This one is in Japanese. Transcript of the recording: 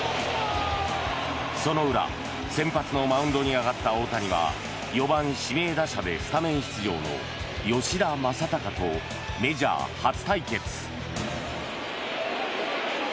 その裏先発のマウンドに上がった大谷は４番指名打者でスタメン出場の吉田正尚とメジャー初対決。